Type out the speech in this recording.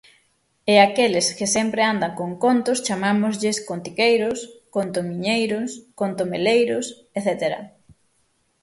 E a aqueles que sempre andan con contos chamámoslles contiqueiros, contomiñeiros, contomeleiros etcétera.